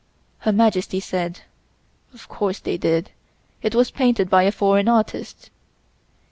Her Majesty said: "Of course they did, it was painted by a foreign artist."